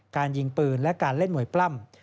การยิงปืนและการเล่นมวยปล้ำ